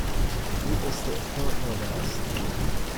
او استعفا داده است.